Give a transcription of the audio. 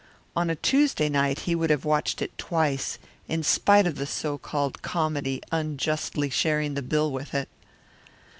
On a Tuesday night he would have watched it twice, in spite of the so called comedy unjustly sharing the bill with it.